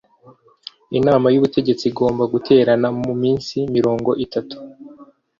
inama y ubutegetsi igomba guterana mu minsi mirongo itatu.